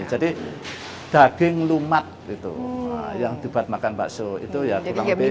jadi daging lumat gitu yang dibuat makan bakso itu ya kurang lebih